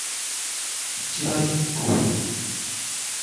千葉銀行